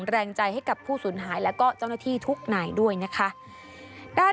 และจ้องหน้าที่ทุกไหนนะคะ